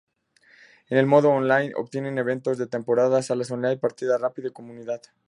En el modo Online, Obtienen eventos de Temporada, Salas Online, Partida Rápida y Comunidad.